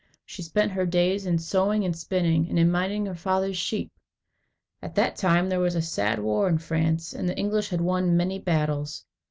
She spent her days in sewing and spinning, and in minding her father's sheep. At that time there was a sad war in France, and the English had won many battles.